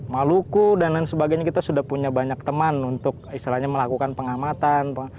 maluku dan lain sebagainya kita sudah punya banyak teman untuk istilahnya melakukan pengamatan